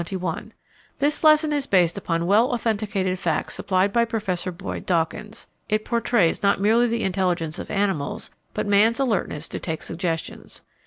_ This lesson is based upon well authenticated facts supplied by Professor Boyd Dawkins. It portrays not merely the intelligence of animals, but man's alertness to take suggestions.